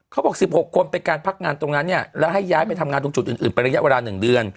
เขาบอก๑๖คนเป็นการพักงานตรงนั้นเนี่ยแล้วให้ย้ายไปทำงานตรงจุดอื่นเป็นระยะเวลา๑เดือน